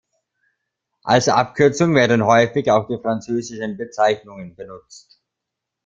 Als Abkürzung werden häufig auch die französischen Bezeichnungen benutzt.